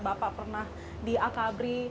bapak pernah di akabri